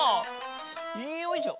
よいしょ。